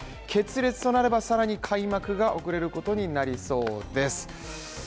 決裂となれば、更に開幕が遅れることになりそうです。